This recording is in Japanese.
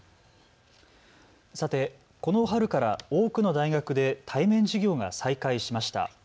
さて、この春から多くの大学で対面授業が再開しました。